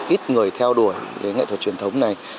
ít người theo đuổi nghệ thuật truyền thống này